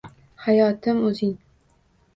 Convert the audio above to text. Hayotim o’zing.